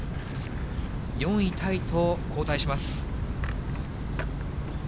４位タイと後退します。